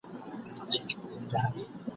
موري خوږېږم سرتر نوکه د پرون له خوارۍ ..